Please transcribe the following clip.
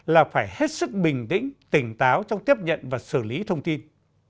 là phải hết sức bình tĩnh tỉnh táo trong tiếp nhận và xử lý thông tin